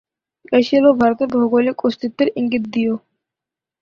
এই শিল্প ভারতের ভৌগোলিক অস্তিত্বের ইঙ্গিত দিয়।